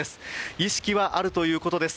意識はあるということです。